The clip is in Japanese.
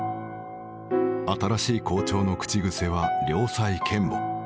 新しい校長の口癖は良妻賢母。